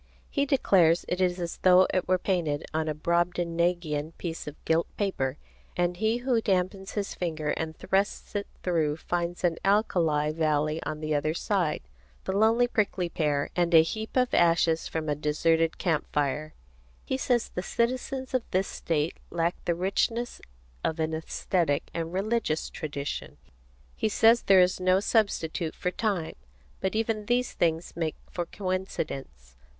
He declares it is as though it were painted on a Brobdingnagian piece of gilt paper, and he who dampens his finger and thrusts it through finds an alkali valley on the other side, the lonely prickly pear, and a heap of ashes from a deserted camp fire. He says the citizens of this state lack the richness of an æsthetic and religious tradition. He says there is no substitute for time. But even these things make for coincidence.